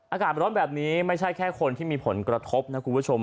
อากาศร้อนแบบนี้ไม่ใช่แค่คนที่มีผลกระทบนะคุณผู้ชม